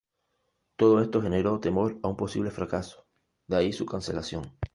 Todo esto generó temor a un posible fracaso, de ahí su cancelación.